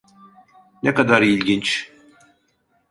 Ne kadar ilginç.